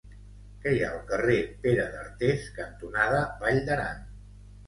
Què hi ha al carrer Pere d'Artés cantonada Vall d'Aran?